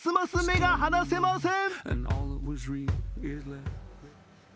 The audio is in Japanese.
ますます目が離せません！